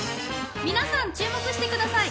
皆さん注目してください。